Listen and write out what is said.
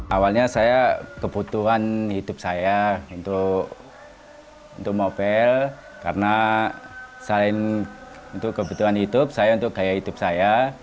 awalnya saya kebutuhan hidup saya untuk mobil karena selain untuk kebutuhan hidup saya untuk gaya hidup saya